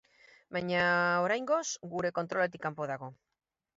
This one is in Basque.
Baina oraingoz, gure kontroletik kanpo dago.